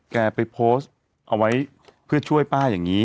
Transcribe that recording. แกไปโพสต์เอาไว้เพื่อช่วยป้าอย่างนี้